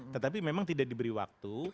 tetapi memang tidak diberi waktu